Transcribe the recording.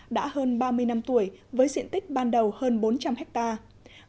đã hơn ba mươi năm tuổi với diện tích ban đầu hơn bốn trăm linh hectare